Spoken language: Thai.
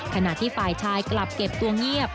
ขณะที่ฝ่ายชายกลับเก็บตัวเงียบ